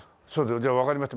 じゃあわかりました